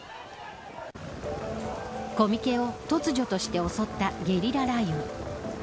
コミケを突如として襲ったゲリラ雷雨。